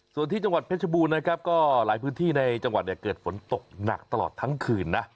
ส่วนที่จังหวัดเพชรบูรณ์นะครับก็หลายพื้นที่ในจังหวัดเนี่ยเกิดฝนตกหนักตลอดทั้งคืนนะ